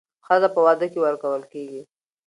ښځه په واده کې ورکول کېږي